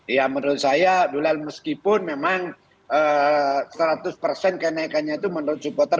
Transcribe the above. ya menurut saya dulail meskipun memang seratus kenaikannya itu menurut supporter